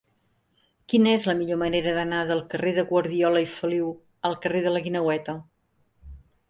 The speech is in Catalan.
Quina és la millor manera d'anar del carrer de Guardiola i Feliu al carrer de la Guineueta?